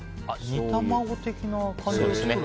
煮卵的な感じですか？